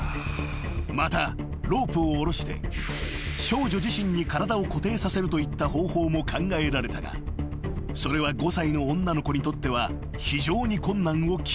［またロープを下ろして少女自身に体を固定させるといった方法も考えられたがそれは５歳の女の子にとっては非常に困難を極める］